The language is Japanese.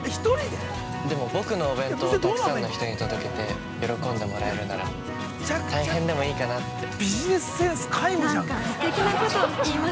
でも僕のお弁当をたくさんの人に届けて喜んでもらえるなら大変でもいいかなって。